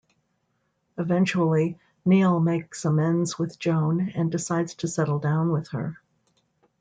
Eventually, Neal makes amends with Joan, and decides to settle down with her.